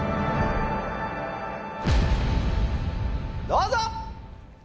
どうぞ！